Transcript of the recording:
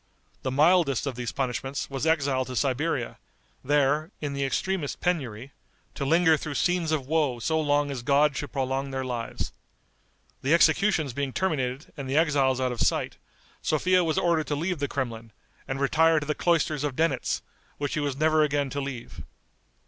The mildest of these punishments was exile to Siberia, there, in the extremest penury, to linger through scenes of woe so long as God should prolong their lives. The executions being terminated and the exiles out of sight, Sophia was ordered to leave the Kremlin, and retire to the cloisters of Denitz, which she was never again to leave.